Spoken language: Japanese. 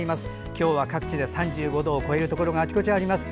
今日は各地で３５度を超えるところがあちこちあります。